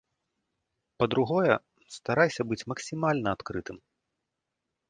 Па-другое, старайся быць максімальна адкрытым.